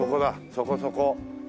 そこそこ。